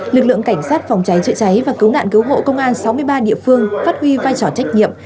lực lượng cảnh sát phòng cháy chữa cháy và cứu nạn cứu hộ công an sáu mươi ba địa phương phát huy vai trò trách nhiệm